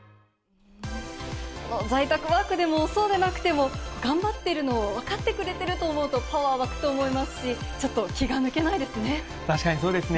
在宅ワークでも、そうでなくても、頑張っているのを分かってくれてると思うと、パワー湧くと思いますし、ちょっと気が抜けないですね。